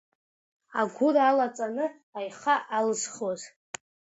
Агәыр алаҵаны аиха алызхуа.